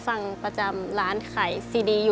นั่นก็เท่านั้นนะครับ